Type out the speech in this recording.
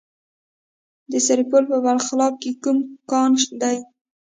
د سرپل په بلخاب کې کوم کان دی؟